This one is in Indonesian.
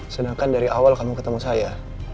sedangkan dari awal kamu ketemu saya